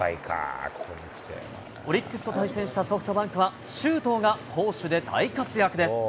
オリックスと対戦したソフトバンクは、周東が攻守で大活躍です。